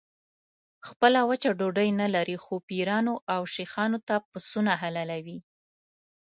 خپله وچه ډوډۍ نه لري خو پیرانو او شیخانو ته پسونه حلالوي.